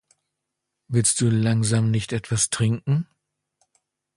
Willst du langsam nicht etwas trinken?